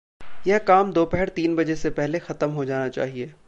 यह काम दोपहर तीन बजे से पहले खतम हो जाना चाहिए।